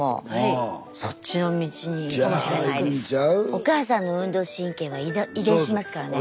お母さんの運動神経は遺伝しますからね。